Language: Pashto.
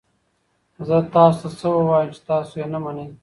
زه تاسو ته څه ووایم چې تاسو یې نه منئ؟